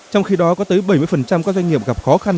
trong khi đó có tới bảy mươi các doanh nghiệp gặp khó khăn